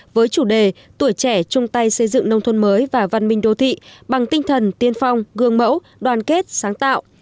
với chủ đề tuổi trẻ chung tay xây dựng nông thôn mới và văn minh đô thị bằng tinh thần tiên phong gương mẫu đoàn kết sáng tạo